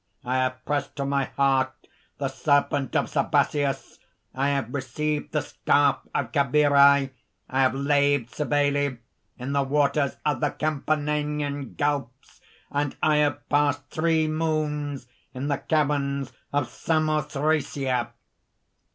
I have pressed to my heart the serpent of Sabasius! I have received the scarf of Kabiri! I have laved Cybele in the waters of the Campanian gulfs! and I have passed three moons in the caverns of Samothracia!"